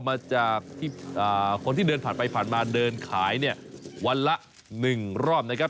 มาจากที่คนที่เดินผ่านไปผ่านมาเดินขายเนี่ยวันละ๑รอบนะครับ